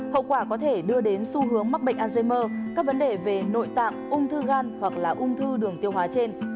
hậu quả có thể đưa đến xu hướng mắc bệnh alzheimer các vấn đề về nội tạng ung thư gan hoặc là ung thư đường tiêu hóa trên